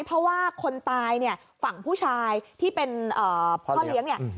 เพราะว่าคนตายเนี่ยฝั่งผู้ชายที่เป็นพ่อเลี้ยงเนี่ย